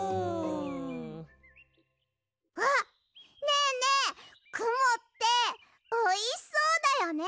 ねえねえくもっておいしそうだよね！